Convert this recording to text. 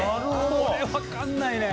これ分かんないね。